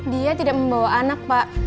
dia tidak membawa anak pak